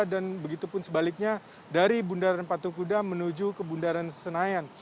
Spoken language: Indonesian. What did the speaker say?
dan begitu pun sebaliknya dari bundaran patung kuda menuju ke bundaran senayan